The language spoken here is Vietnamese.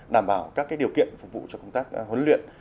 đảm bảo các điều kiện phục vụ cho công tác huấn luyện